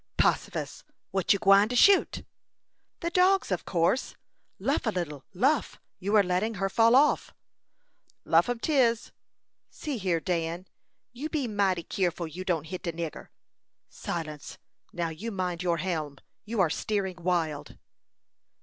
"Possifus! What you gwine to shoot?" "The dogs, of course. Luff a little luff! You are letting her fall off." "Luff 'em 'tis. See here, Dan. You be mighty keerful you don't hit de nigger." "Silence, now, and mind your helm! You are steering wild."